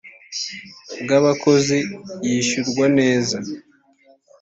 bw abakozi yishyurwa neza